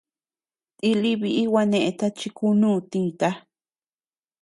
Tilï biʼi gua neʼeta chi kunú tïta.